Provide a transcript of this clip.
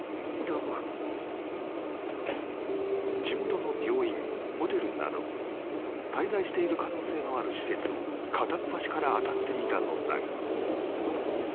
［地元の病院ホテルなど滞在している可能性のある施設を片っ端から当たってみたのだが］